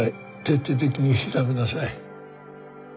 徹底的に調べなさい。